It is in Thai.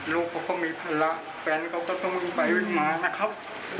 ลูกเขาก็มีภาระแฟนเขาก็ต้องวิ่งไปวิ่งมานะครับ